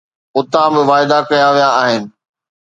اتان به واعدا ڪيا ويا آهن.